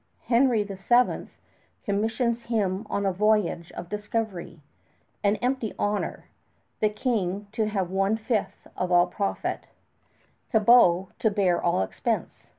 Henry VII commissions him on a voyage of discovery an empty honor, the King to have one fifth of all profit, Cabot to bear all expense.